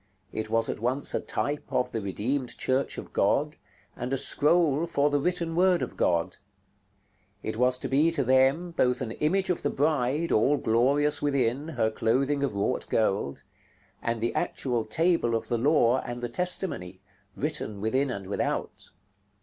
It was at once a type of the Redeemed Church of God, and a scroll for the written word of God. It was to be to them, both an image of the Bride, all glorious within, her clothing of wrought gold; and the actual Table of the Law and the Testimony, written within and without.